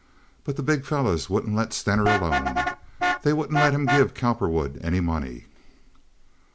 But the big fellows wouldn't let Stener alone. They wouldn't let him give Cowperwood any money."